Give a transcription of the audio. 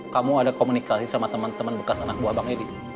kamu ada komunikasi sama temen temen bekas anak buah bank ini